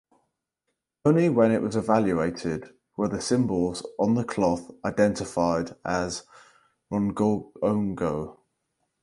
Only when it was evaluated were the symbols on the cloth identified as rongorongo.